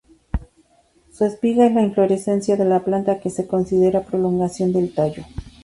Su espiga es la inflorescencia de la planta que se considera prolongación del tallo.